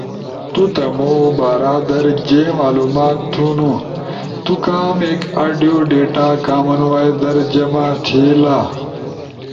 تو تمو بارا در جے معلومات تھونو، تو کامیک آڈیو ڈیتا کامن وائس در جمع تھئیلا،